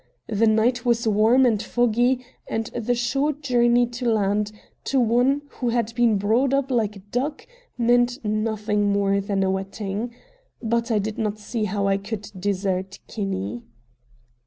The night was warm and foggy, and the short journey to land, to one who had been brought up like a duck, meant nothing more than a wetting. But I did not see how I could desert Kinney.